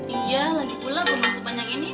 iya lagi pula rumah sebanyak ini